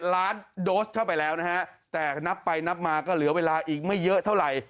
ล้านโดสเข้าไปแล้วนะฮะแต่นับไปนับมาก็เหลือเวลาอีกไม่เยอะเท่าไหร่